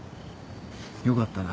よかったな。